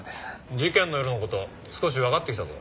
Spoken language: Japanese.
事件の夜の事少しわかってきたぞ。